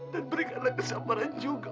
dan berikanlah kesabaran juga